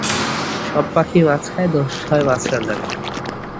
সব পাখি মাছ খায়, দোষ হয় মাছরাঙার।